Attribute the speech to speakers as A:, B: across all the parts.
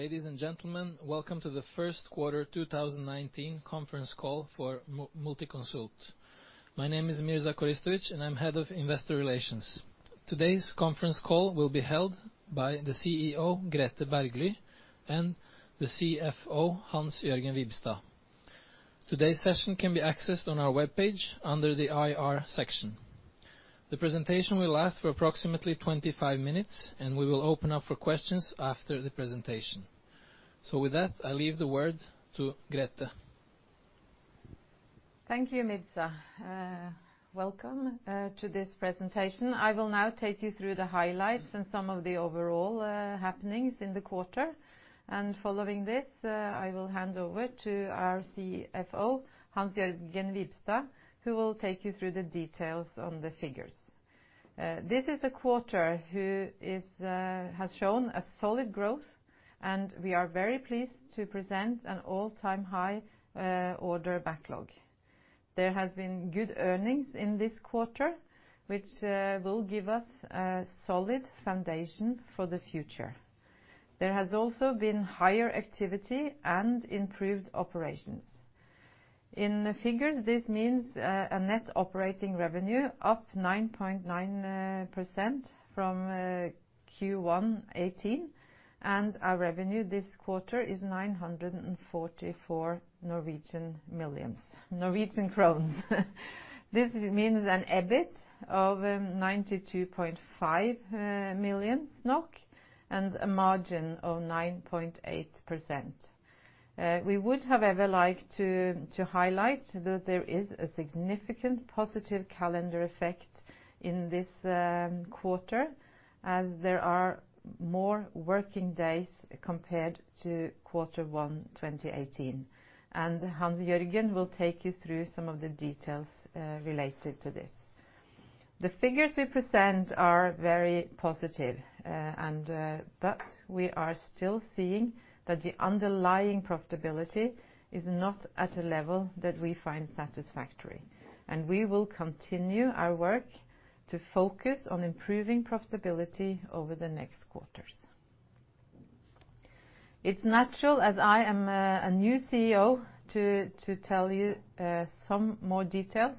A: Ladies and gentlemen, welcome to the first quarter 2019 conference call for Multiconsult. My name is Mirza Koristovic and I am Head of Investor Relations. Today's conference call will be held by the CEO, Grethe Bergly and the CFO, Hans-Jørgen Wibstad. Today's session can be accessed on our webpage under the IR section. The presentation will last for approximately 25 minutes, and we will open up for questions after the presentation. With that, I leave the word to Grethe.
B: Thank you, Mirza. Welcome to this presentation. I will now take you through the highlights and some of the overall happenings in the quarter. Following this, I will hand over to our CFO, Hans-Jørgen Wibstad, who will take you through the details on the figures. This is a quarter who has shown a solid growth, and we are very pleased to present an all-time high order backlog. There has been good earnings in this quarter, which will give us a solid foundation for the future. There has also been higher activity and improved operations. In the figures, this means a net operating revenue up 9.9% from Q1 2018, and our revenue this quarter is 944 million, NOK. This means an EBIT of 92.5 million NOK and a margin of 9.8%. We would have ever liked to highlight that there is a significant positive calendar effect in this quarter as there are more working days compared to quarter one 2018, Hans-Jørgen will take you through some of the details related to this. The figures we present are very positive, we are still seeing that the underlying profitability is not at a level that we find satisfactory, and we will continue our work to focus on improving profitability over the next quarters. It is natural, as I am a new CEO, to tell you some more details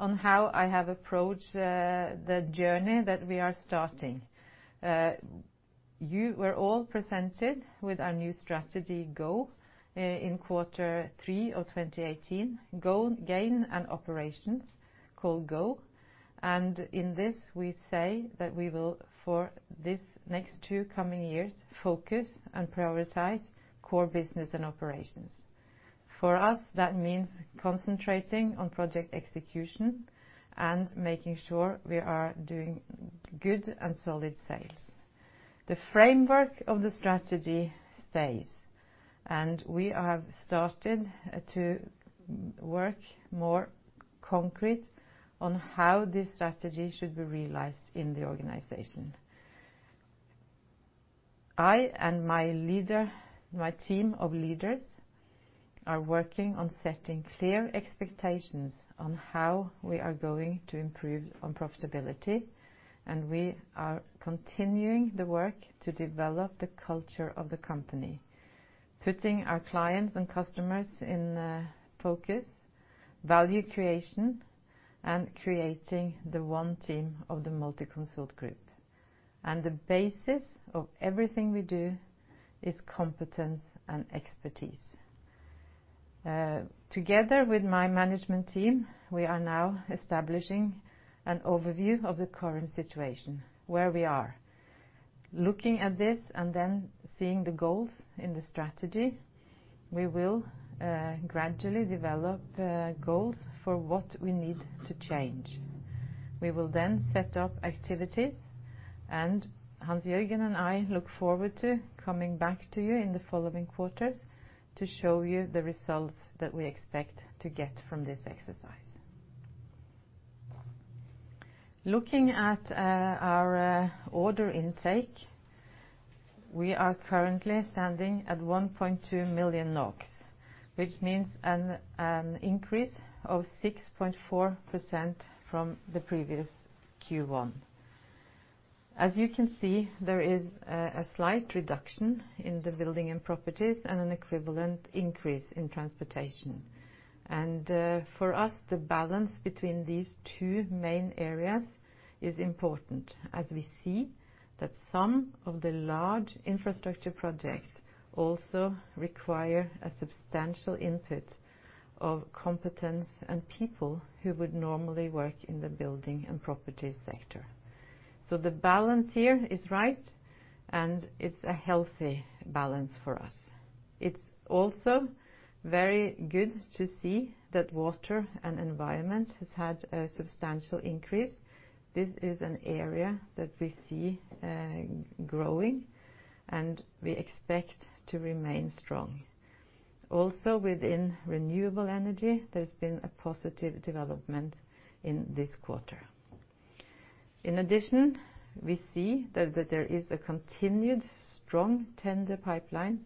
B: on how I have approached the journey that we are starting. You were all presented with our new strategy, GO, in quarter three of 2018. Gain and Operations, called GO, in this we say that we will, for this next two coming years, focus and prioritize core business and operations. For us, that means concentrating on project execution making sure we are doing good and solid sales. The framework of the strategy stays, we have started to work more concrete on how this strategy should be realized in the organization. I and my team of leaders are working on setting clear expectations on how we are going to improve on profitability, we are continuing the work to develop the culture of the company. Putting our clients and customers in focus, value creation, and creating the one team of the Multiconsult Group. The basis of everything we do is competence and expertise. Together with my management team, we are now establishing an overview of the current situation, where we are. Looking at this seeing the goals in the strategy, we will gradually develop goals for what we need to change. We will then set up activities, and Hans-Jørgen and I look forward to coming back to you in the following quarters to show you the results that we expect to get from this exercise. Looking at our order intake, we are currently standing at 1.2 billion NOK, which means an increase of 6.4% from the previous Q1. As you can see, there is a slight reduction in the Buildings & Properties and an equivalent increase in transportation. The balance between these two main areas is important, as we see that some of the large infrastructure projects also require a substantial input of competence and people who would normally work in the Buildings & Properties sector. The balance here is right, and it's a healthy balance for us. It's also very good to see that Water & Environment has had a substantial increase. This is an area that we see growing, and we expect to remain strong. Within Renewable Energy, there's been a positive development in this quarter. In addition, we see that there is a continued strong tender pipeline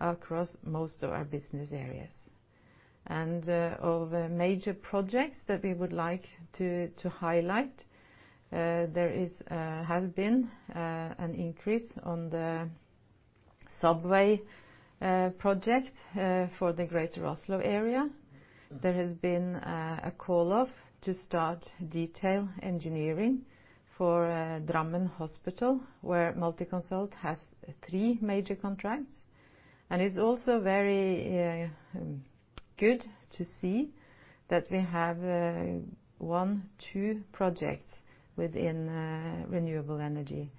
B: across most of our business areas. Of major projects that we would like to highlight, there has been an increase on the subway project for the greater Oslo area. There has been a call-off to start detail engineering for Drammen Hospital, where Multiconsult has three major contracts. It's also very good to see that we have won two projects within Renewable Energy,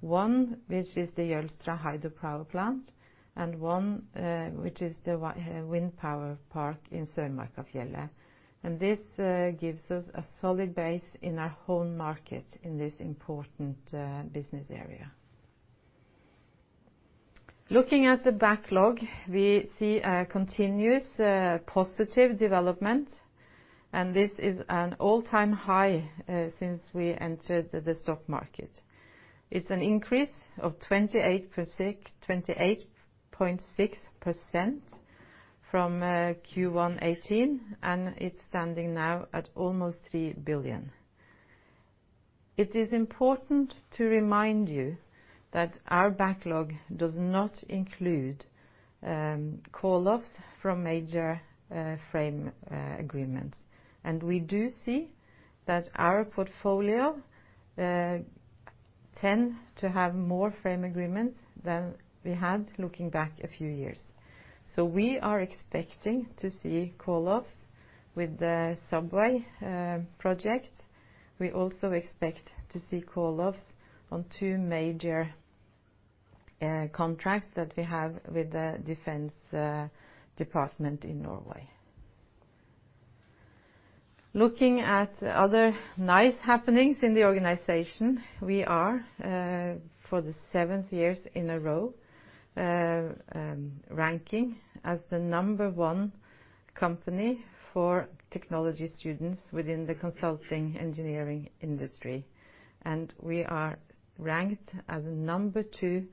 B: one which is the Jølstra Hydropower plant, and one which is the wind power park in Sørmarkfjellet. This gives us a solid base in our home market in this important business area. Looking at the backlog, we see a continuous positive development. This is an all-time high since we entered the stock market. It's an increase of 28.6% from Q1 2018, and it's standing now at almost 3 billion. It is important to remind you that our backlog does not include call-offs from major frame agreements. We do see that our portfolio tends to have more frame agreements than we had looking back a few years. We are expecting to see call-offs with the subway project. We also expect to see call-offs on two major contracts that we have with the defense department in Norway. Looking at other nice happenings in the organization, we are, for the seventh year in a row, ranking as the number one company for technology students within the consulting engineering industry. We are ranked as number two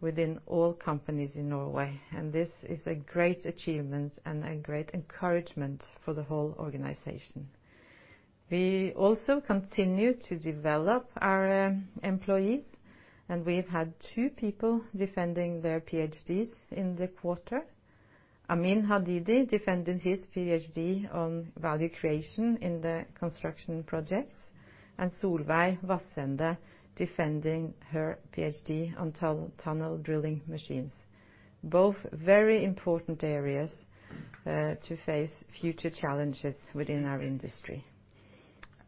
B: within all companies in Norway, and this is a great achievement and a great encouragement for the whole organization. We also continue to develop our employees, and we've had two people defending their PhDs in the quarter. Amin Hadidi defended his PhD on value creation in the construction projects, and Solveig Vassende defending her PhD on tunnel drilling machines. Both very important areas to face future challenges within our industry.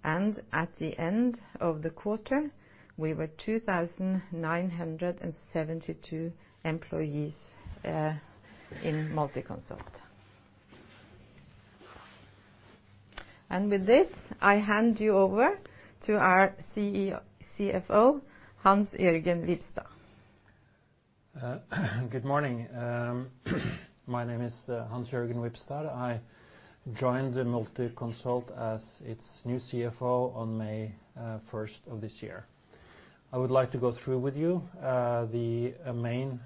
B: At the end of the quarter, we were 2,972 employees in Multiconsult. With this, I hand you over to our CFO, Hans-Jørgen Wibstad.
C: Good morning. My name is Hans-Jørgen Wibstad. I joined Multiconsult as its new CFO on May 1st of this year. I would like to go through with you the main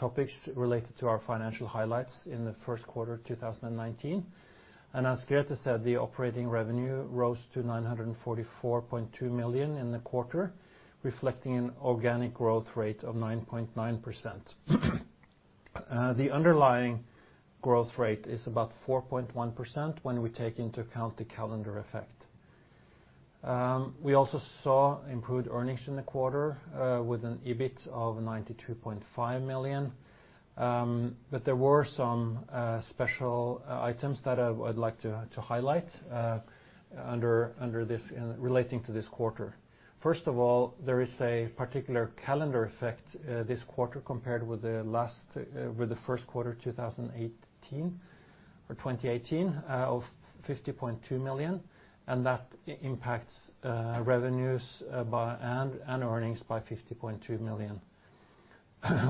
C: topics related to our financial highlights in the first quarter of 2019. As Grethe said, the net operating revenue rose to 944.2 million in the quarter, reflecting an organic growth rate of 9.9%. The underlying growth rate is about 4.1% when we take into account the calendar effect. We also saw improved earnings in the quarter with an EBIT of 92.5 million. There were some special items that I'd like to highlight relating to this quarter. First of all, there is a particular calendar effect this quarter compared with the first quarter of 2018 of 50.2 million, and that impacts revenues and earnings by 50.2 million.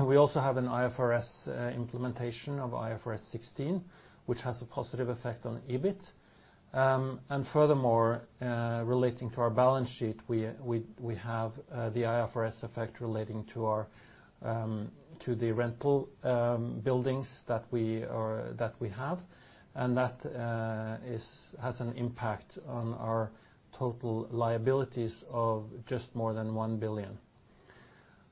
C: We also have an IFRS implementation of IFRS 16, which has a positive effect on EBIT. Furthermore, relating to our balance sheet, we have the IFRS effect relating to the rental buildings that we have, and that has an impact on our total liabilities of just more than 1 billion.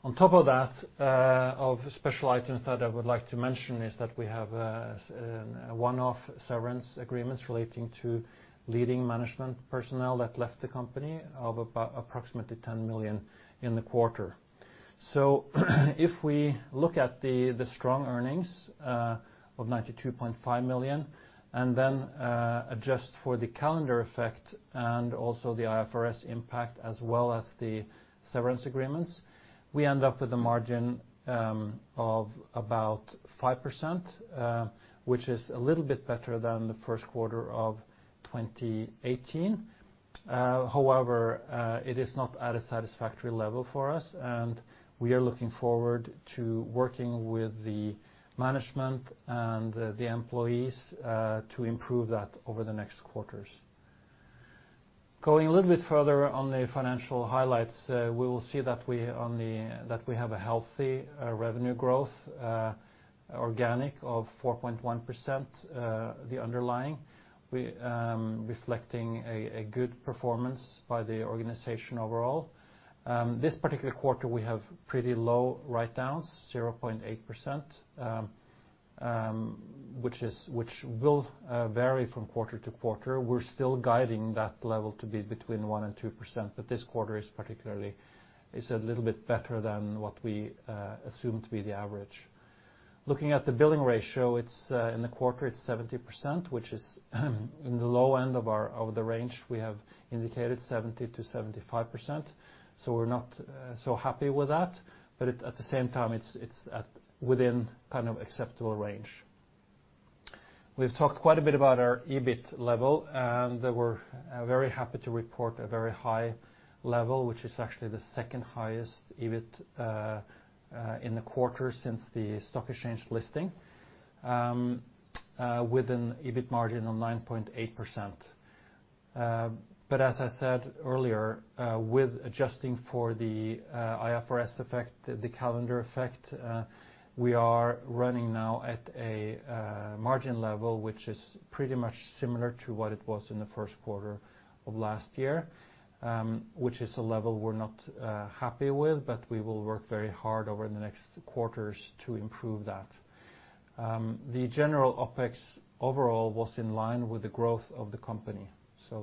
C: On top of that, of special items that I would like to mention is that we have a one-off severance agreements relating to leading management personnel that left the company of approximately 10 million in the quarter. If we look at the strong earnings of 92.5 million and then adjust for the calendar effect and also the IFRS impact as well as the severance agreements, we end up with a margin of about 5%, which is a little bit better than the first quarter of 2018. However, it is not at a satisfactory level for us, and we are looking forward to working with the management and the employees to improve that over the next quarters. Going a little bit further on the financial highlights, we will see that we have a healthy revenue growth organic of 4.1%, the underlying, reflecting a good performance by the organization overall. This particular quarter, we have pretty low write-downs, 0.8%, which will vary from quarter to quarter. We're still guiding that level to be between one and 2%, but this quarter is a little bit better than what we assume to be the average. Looking at the billing ratio, in the quarter, it's 70%, which is in the low end of the range we have indicated, 70%-75%. We're not so happy with that. At the same time, it's within acceptable range. We've talked quite a bit about our EBIT level, and we're very happy to report a very high level, which is actually the second highest EBIT in the quarter since the stock exchange listing, with an EBIT margin of 9.8%. As I said earlier, with adjusting for the IFRS effect, the calendar effect, we are running now at a margin level, which is pretty much similar to what it was in the first quarter of last year, which is a level we're not happy with, but we will work very hard over the next quarters to improve that. The general OpEx overall was in line with the growth of the company.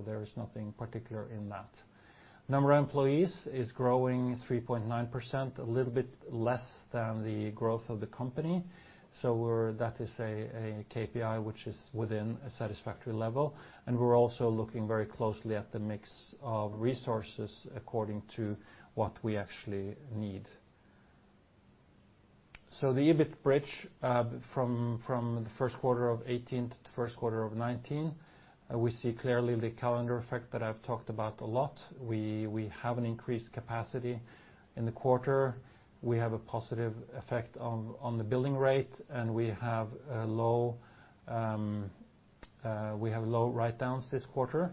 C: There is nothing particular in that. Number of employees is growing 3.9%, a little bit less than the growth of the company. That is a KPI which is within a satisfactory level. We're also looking very closely at the mix of resources according to what we actually need. The EBIT bridge from the first quarter of 2018 to the first quarter of 2019, we see clearly the calendar effect that I've talked about a lot. We have an increased capacity in the quarter. We have a positive effect on the billing rate. We have low write-downs this quarter.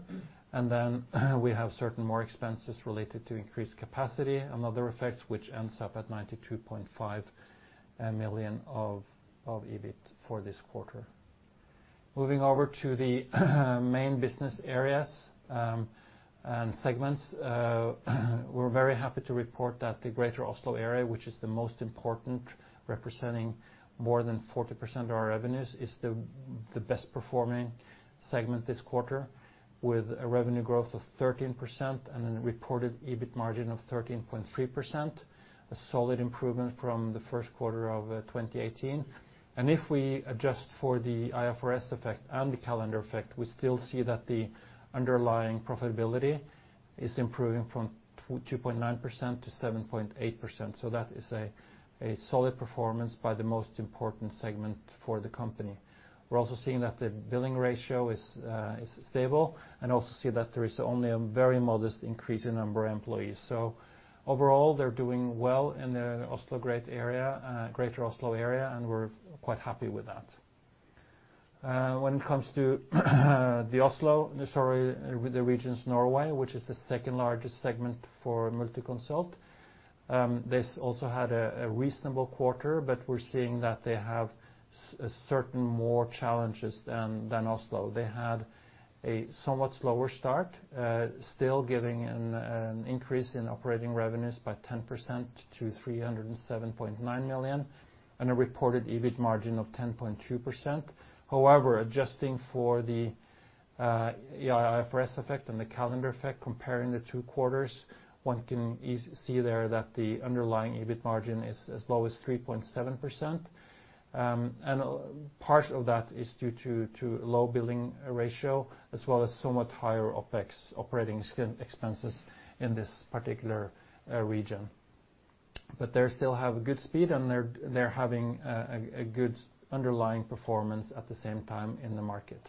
C: We have certain more expenses related to increased capacity and other effects, which ends up at 92.5 million of EBIT for this quarter. Moving over to the main business areas and segments. We're very happy to report that the Greater Oslo area, which is the most important, representing more than 40% of our revenues, is the best-performing segment this quarter with a revenue growth of 13% and a reported EBIT margin of 13.3%, a solid improvement from the first quarter of 2018. If we adjust for the IFRS effect and the calendar effect, we still see that the underlying profitability is improving from 2.9% to 7.8%. That is a solid performance by the most important segment for the company. We're also seeing that the billing ratio is stable. Also see that there is only a very modest increase in number of employees. Overall, they're doing well in the Greater Oslo area, and we're quite happy with that. When it comes to the Regions Norway, which is the second-largest segment for Multiconsult, this also had a reasonable quarter. We're seeing that they have certain more challenges than Oslo. They had a somewhat slower start, still giving an increase in operating revenues by 10% to 307.9 million and a reported EBIT margin of 10.2%. However, adjusting for the IFRS effect and the calendar effect, comparing the two quarters, one can see there that the underlying EBIT margin is as low as 3.7%. Part of that is due to low billing ratio as well as somewhat higher OpEx, operating expenses, in this particular region. They still have good speed. They're having a good underlying performance at the same time in the market.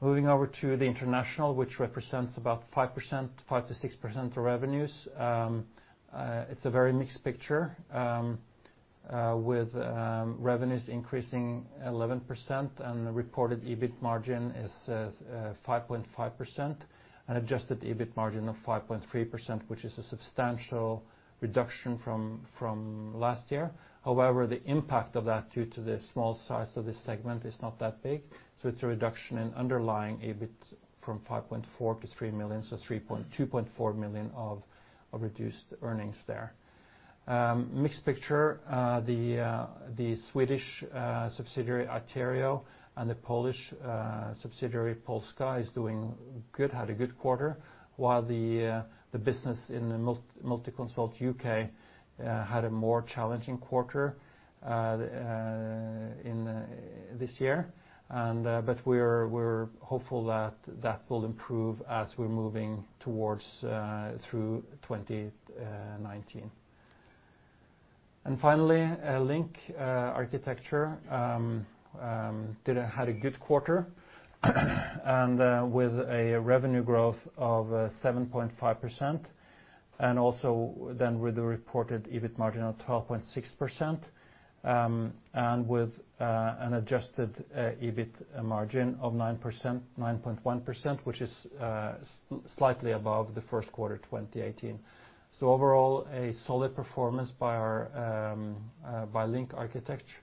C: Moving over to the international, which represents about 5%-6% of revenues. It's a very mixed picture, with revenues increasing 11%. The reported EBIT margin is 5.5% and adjusted EBIT margin of 5.3%, which is a substantial reduction from last year. However, the impact of that due to the small size of this segment is not that big. It's a reduction in underlying EBIT from 5.4 million to 3 million, 2.4 million of reduced earnings there. Mixed picture. The Swedish subsidiary, Iterio, and the Polish subsidiary, Multiconsult Polska, had a good quarter, while the business in the Multiconsult UK had a more challenging quarter this year. We're hopeful that will improve as we're moving through 2019. Finally, LINK arkitektur had a good quarter, with a revenue growth of 7.5%. With the reported EBIT margin of 12.6% and with an adjusted EBIT margin of 9.1%, which is slightly above the first quarter 2018. Overall, a solid performance by LINK arkitektur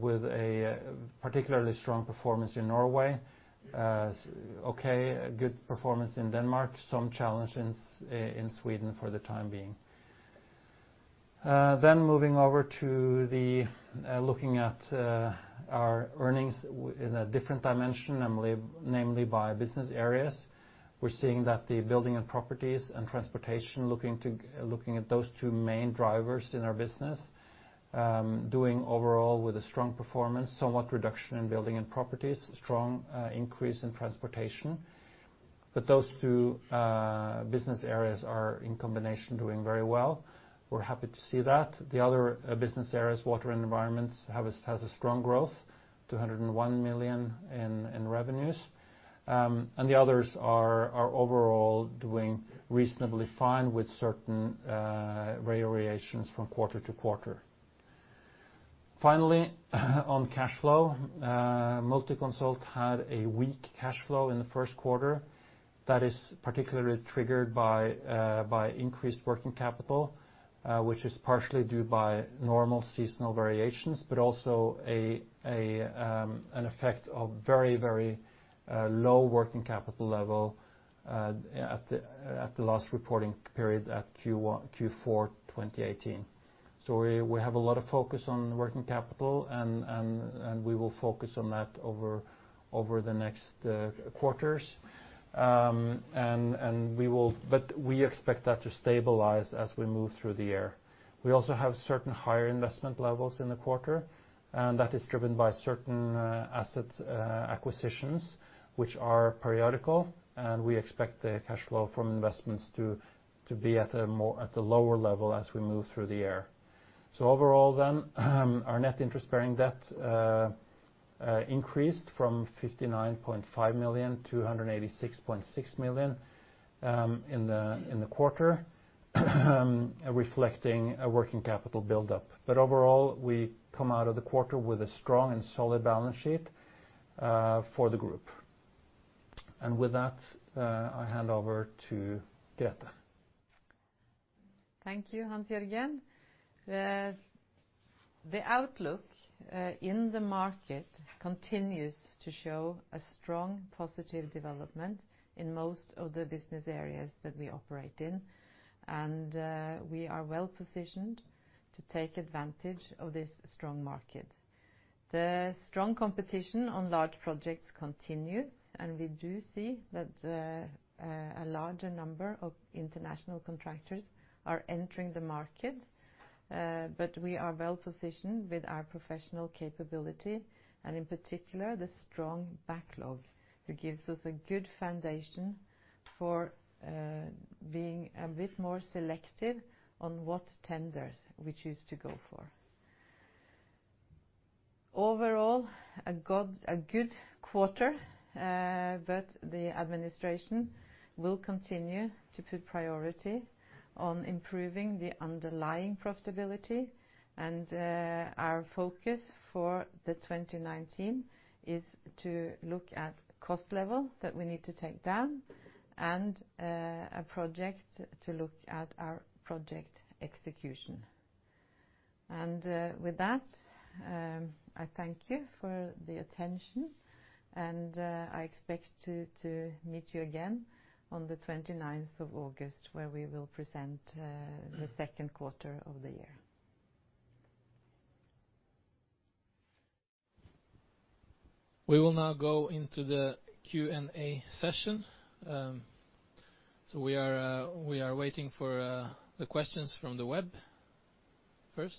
C: with a particularly strong performance in Norway. Good performance in Denmark, some challenges in Sweden for the time being. Moving over to looking at our earnings in a different dimension, namely by business areas. We're seeing that the Buildings & Properties and Mobility & Transportation, looking at those two main drivers in our business, doing overall with a strong performance. Somewhat reduction in Buildings & Properties. Strong increase in Mobility & Transportation. Those two business areas are, in combination, doing very well. We're happy to see that. The other business areas, Water & Environment, has a strong growth, 201 million in revenues. The others are overall doing reasonably fine with certain variations from quarter to quarter. Finally, on cash flow. Multiconsult had a weak cash flow in the first quarter that is particularly triggered by increased working capital, which is partially due by normal seasonal variations, but also an effect of very low working capital level at the last reporting period at Q4 2018. We have a lot of focus on working capital, and we will focus on that over the next quarters. We expect that to stabilize as we move through the year. We also have certain higher investment levels in the quarter, and that is driven by certain asset acquisitions, which are periodical. We expect the cash flow from investments to be at a lower level as we move through the year. Overall then, our net interest-bearing debt increased from 59.5 million to 186.6 million in the quarter, reflecting a working capital buildup. Overall, we come out of the quarter with a strong and solid balance sheet for the group. With that, I hand over to Grethe.
B: Thank you, Hans-Jørgen. The outlook in the market continues to show a strong positive development in most of the business areas that we operate in. We are well-positioned to take advantage of this strong market. The strong competition on large projects continues, and we do see that a larger number of international contractors are entering the market. We are well-positioned with our professional capability and, in particular, the strong order backlog that gives us a good foundation for being a bit more selective on what tenders we choose to go for. Overall, a good quarter, but the administration will continue to put priority on improving the underlying profitability. Our focus for 2019 is to look at cost level that we need to take down and to look at our project execution. With that, I thank you for the attention, and I expect to meet you again on the 29th of August where we will present the second quarter of the year.
A: We will now go into the Q&A session. We are waiting for the questions from the web first.